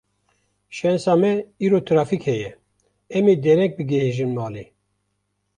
Şensa me îro trafîk heye, em ê dereng bigihîjin malê.